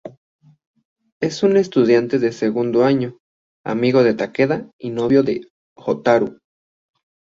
Es un estudiante de segundo año, amigo de Takeda y novio de Hotaru.